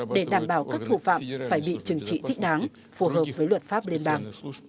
để đảm bảo các thủ phạm phải bị trừng trị thích đáng phù hợp với luật pháp liên bang